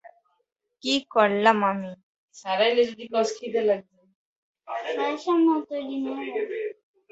কী করলাম আমি?